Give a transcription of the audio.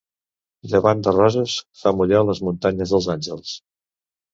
Llevant de Roses, fa mullar les muntanyes dels Àngels.